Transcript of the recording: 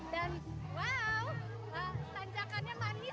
dan wow tanjakannya manis ya